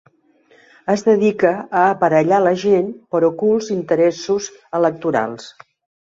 Es dedica a aparellar la gent, per ocults interessos electorals.